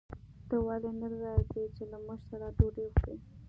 ته ولې نه راځې چې له موږ سره ډوډۍ وخورې